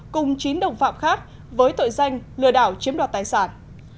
cùng chín đồng phạm khác với tội danh lừa đảo chiếm đoạt tài sản